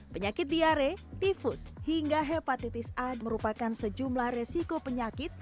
penyakit diare tifus hingga hepatitis a merupakan sejumlah resiko penyakit